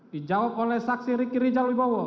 dijawab oleh saksi ricky rijal wibowo